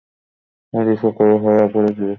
ওদের সকলের হয়ে অ্যাপলজি করতে এসেছি।